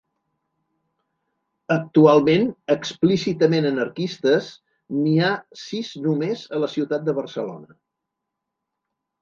Actualment -explícitament anarquistes- n’hi ha sis només a la ciutat de Barcelona.